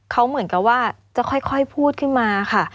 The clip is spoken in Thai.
เขาเหมือนกับว่าจะค่อยพูดขึ้นมาค่ะ